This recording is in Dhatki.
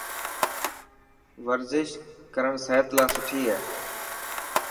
ورزش ڪرن سحت لاءِ سٺو هي.